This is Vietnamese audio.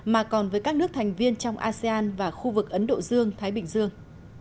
mà còn với các nước thành viên trong asean và khu vực ấn độ dương thái bình dương